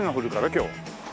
今日。